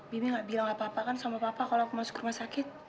bibi nggak bilang apa apakan sama papa kalau aku masuk rumah sakit